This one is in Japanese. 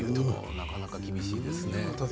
なかなか厳しいですね。